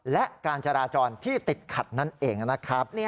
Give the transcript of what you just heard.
และการจราจรที่ติดขัดนั่นเองนะครับ